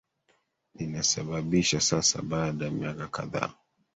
nina sababisha sasa baada ya miaka kadhaa